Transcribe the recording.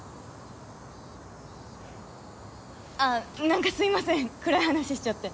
あっなんかすみません暗い話しちゃって。